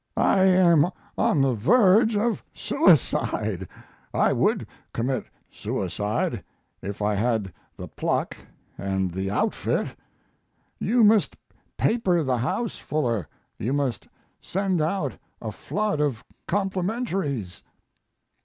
I am on the verge of suicide. I would commit suicide if I had the pluck and the outfit. You must paper the house, Fuller. You must send out a flood of complementaries."